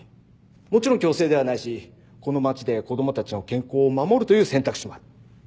もちろん強制ではないしこの街で子供たちの健康を守るという選択肢もある。